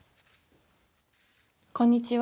こんにちは。